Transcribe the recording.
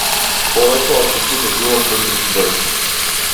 Повеќе отколку за кој било друг број.